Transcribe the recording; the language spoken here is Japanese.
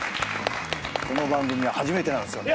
この番組は初めてなんですよね。